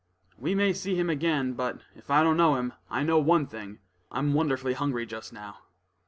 "We may see him again; but, if I don't know him, I know one thing, I'm wonderfully hungry just now."